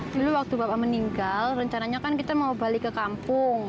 dulu waktu bapak meninggal rencananya kan kita mau balik ke kampung